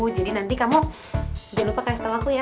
jadi nanti kamu jangan lupa kasih tau aku ya